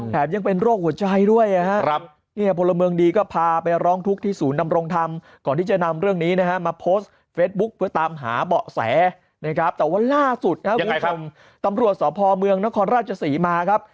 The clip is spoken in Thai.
แต่ว่าล่าสุดนะครับยังไงครับตำรวจสะพอเมืองนครราชสีมาครับ